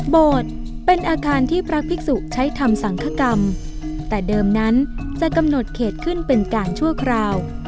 โบสถ์เป็นอาคารที่พระภิกษุใช้ทำสังคกรรมแต่เดิมนั้นจะกำหนดเขตขึ้นเป็นการชั่วคราว